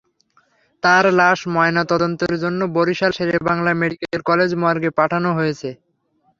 তাঁর লাশ ময়নাতদন্তের জন্য বরিশাল শেরেবাংলা মেডিকেল কলেজ মর্গে পাঠানো হয়েছে।